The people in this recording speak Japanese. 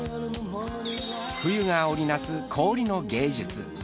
冬が織りなす氷の芸術。